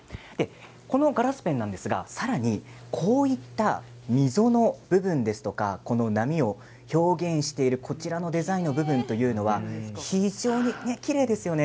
このガラスペンですがさらに、こういった溝の部分波を表現しているこのデザインの部分というのは非常にきれいですよね。